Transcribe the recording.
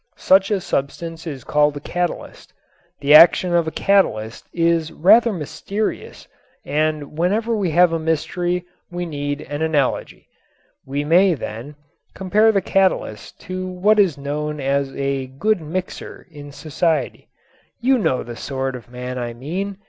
Such a substance is called a catalyst. The action of a catalyst is rather mysterious and whenever we have a mystery we need an analogy. We may, then, compare the catalyst to what is known as "a good mixer" in society. You know the sort of man I mean.